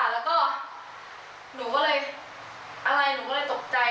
แล้วก็หนูก็เลยอะไรหนูก็เลยตกใจ